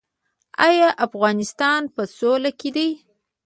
آیا افغانستان په سوله کې دی؟